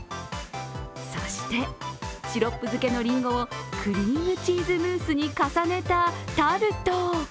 そして、シロップ漬けのりんごをクリームチーズムースに重ねたタルト。